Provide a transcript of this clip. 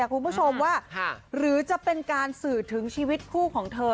คุณผู้ชมว่าหรือจะเป็นการสื่อถึงชีวิตคู่ของเธอ